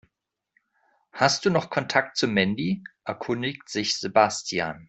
Hast du noch Kontakt zu Mandy?, erkundigte sich Sebastian.